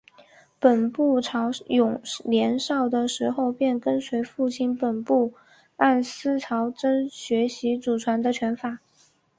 本部朝勇年少的时候便跟随父亲本部按司朝真学习祖传的拳法。